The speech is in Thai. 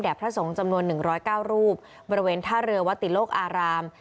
และพระสงฆ์จำนวน๑๐๙รูปบริเวณท่าเรือวัตติโลกอาราม